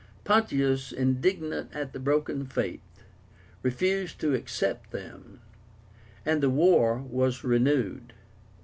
Pontius, indignant at the broken faith, refused to accept them, and the war was renewed.